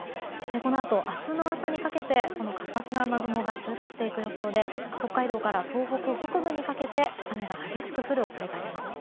このあと、明日の朝にかけてこの活発な雨雲が通過していく予想で北海道から東北北部にかけて雨が激しく降る恐れがあります。